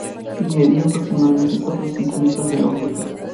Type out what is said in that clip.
Medía aproximadamente cuatro centímetros de longitud.